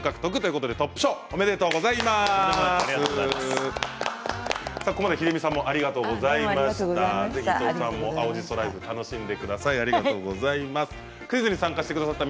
ここまで、秀美さんありがとうございました。